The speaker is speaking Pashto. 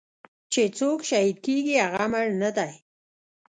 چې سوک شهيد کيګي هغه مړ نه دې.